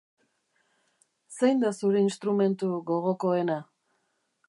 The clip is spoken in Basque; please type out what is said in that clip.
Zein da zure instrumentu gogokoena?